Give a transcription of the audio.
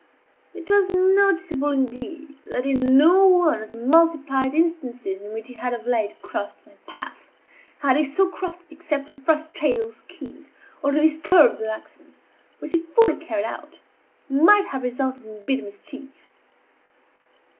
It was noticeable, indeed, that, in no one of the multiplied instances in which he had of late crossed my path, had he so crossed it except to frustrate those schemes, or to disturb those actions, which, if fully carried out, might have resulted in bitter mischief.